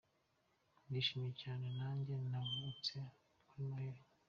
Ndishimye cyane najye navutse kuri Noheli.